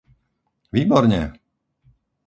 Výborne!